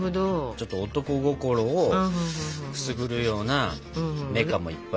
ちょっと男心をくすぐるようなメカもいっぱい出てくる。